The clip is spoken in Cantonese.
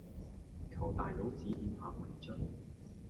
求大佬指點下迷津